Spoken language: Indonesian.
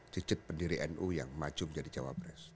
dijet pendiri nu yang maju menjadi jawa pres